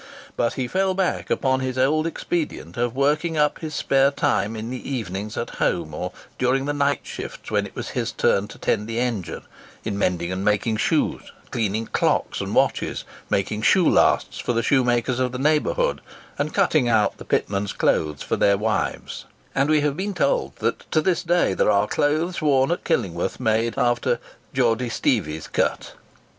But he fell back upon his old expedient of working up his spare time in the evenings at home, or during the night shifts when it was his turn to tend the engine, in mending and making shoes, cleaning clocks and watches, making shoe lasts for the shoe makers of the neighbourhood, and cutting out the pitmen's clothes for their wives; and we have been told that to this day there are clothes worn at Killingworth made after "Geordy Steevie's cut."